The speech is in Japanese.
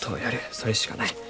それしかない。